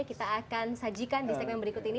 kita akan sajikan di segmen berikut ini